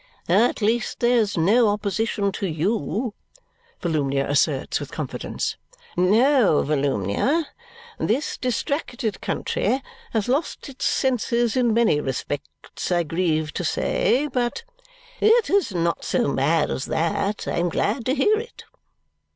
"At least there is no opposition to YOU," Volumnia asserts with confidence. "No, Volumnia. This distracted country has lost its senses in many respects, I grieve to say, but " "It is not so mad as that. I am glad to hear it!"